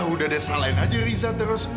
udah deh salahin aja riza terus